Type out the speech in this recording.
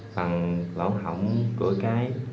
bằng lỏng hỏng cửa cái